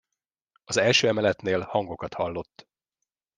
Az első emeletnél hangokat hallott.